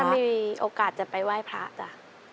ถ้าไม่มีโอกาสจะไปไหว้พระจ๊ะ